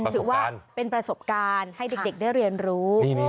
ถือว่าเป็นประสบการณ์ให้เด็กได้เรียนรู้